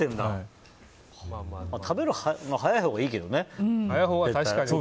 食べるの早いほうがいいけどね。